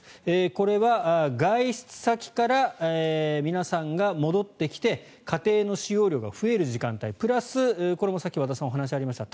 これは外出先から皆さんが戻ってきて家庭の使用量が増える時間帯プラス、これもさっき和田さんのお話にありました